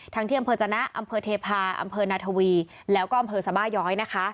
ที่อำเภอจนะอำเภอเทพาอำเภอนาทวีแล้วก็อำเภอสบาย้อยนะคะ